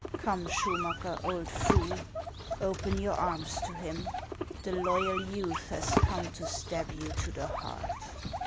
Come, Schuniacker, old fool, open your arms to him ; the loyal youth has come to stab you to the heart."